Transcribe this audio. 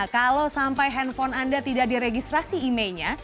kalau sampai handphone anda tidak diregistrasi imei nya